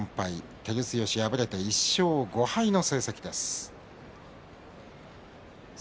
照強は敗れて１勝５敗の成績です。